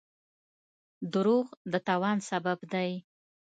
دروغ د تاوان سبب دی.